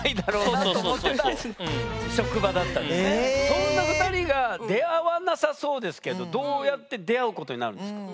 そんな２人が出会わなさそうですけどどうやって出会うことになるんですか？